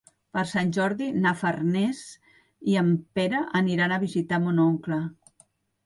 Per Sant Jordi na Farners i en Pere aniran a visitar mon oncle.